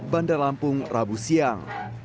bandar lampung rabu siang